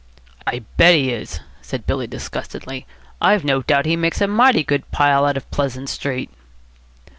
"I bet he is," said Billy disgustedly. "I've no doubt he makes a mighty good pile out of Pleasant Street."